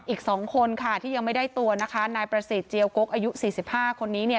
อีก๒คนค่ะที่ยังไม่ได้ตัวนะคะนายประสิทธิ์เจียวกกอายุ๔๕คนนี้เนี่ย